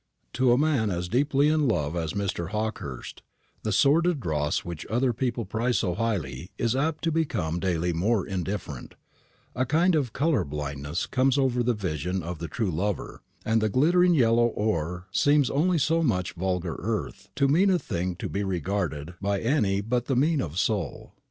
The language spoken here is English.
To a man as deeply in love as Mr. Hawkehurst, the sordid dross which other people prize so highly is apt to become daily more indifferent; a kind of colour blindness comes over the vision of the true lover, and the glittering yellow ore seems only so much vulgar earth, too mean a thing to be regarded by any but the mean of soul.